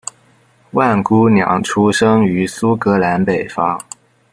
万姑娘出生于苏格兰北方。